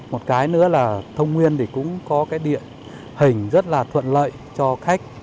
một cái nữa là thông nguyên thì cũng có cái địa hình rất là thuận lợi cho khách